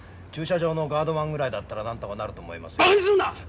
駐車場のガードマンぐらいだったらなんとかなると思います。